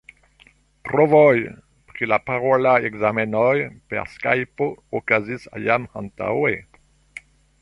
Provoj pri la parolaj ekzamenoj per Skajpo okazis jam antaŭe.